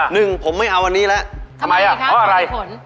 หนึ่งผมไม่เอาอันนี้แล้วขอบคุณผลบ๊วยบ๊วยบ๊วยบ๊วยบ๊วยทำไมอ่ะเพราะอะไร